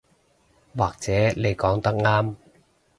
或者你講得啱